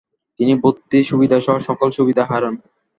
তিনি ভর্তি, সুবিধাসহ সকল সুবিধা হারান।